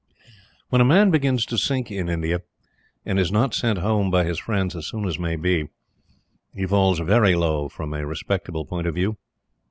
When a man begins to sink in India, and is not sent Home by his friends as soon as may be, he falls very low from a respectable point of view.